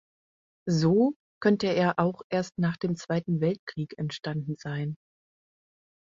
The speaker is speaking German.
So könnte er auch erst nach dem Zweiten Weltkrieg entstanden sein.